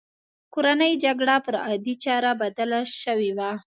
کورنۍ جګړه پر عادي چاره بدله شوې وه.